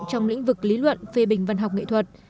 trong lĩnh vực lý luận phê bình văn học nghệ thuật